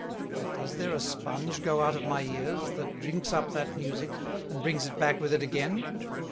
Does there a Sponge go out of my Ears, that drinks up that Musick, and brings it back with it again?